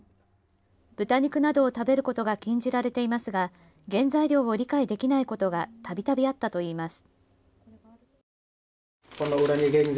豚肉などを食べることが禁じられていますが原材料を理解できないことが度々あったといいます。